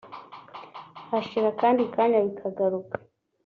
hashira akandi kanya bikagaruka